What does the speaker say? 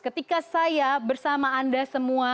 ketika saya bersama anda semua